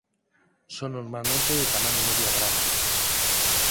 Son normalmente de tamaño medio a grande.